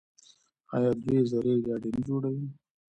آیا دوی زرهي ګاډي نه جوړوي؟